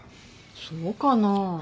そうかな？